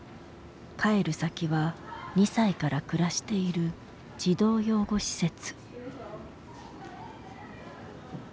帰る先は２歳から暮らしている児童養護施設。